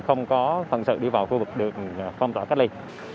không có phần sự đi vào khu vực được phong tỏa các ly